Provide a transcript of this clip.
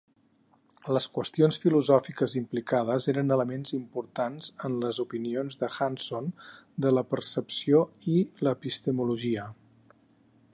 Les qüestions filosòfiques implicades eren elements importants en les opinions de Hanson de la percepció i l'epistemologia.